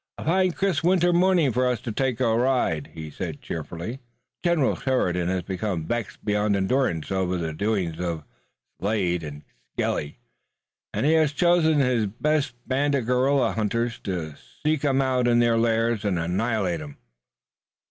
"A fine crisp winter morning for us to take a ride," he said cheerfully. "General Sheridan has become vexed beyond endurance over the doings of Slade and Skelly, and he has chosen his best band of guerrilla hunters to seek 'em out in their lairs and annihilate 'em."